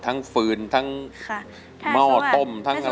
ฟืนทั้งหม้อต้มทั้งอะไร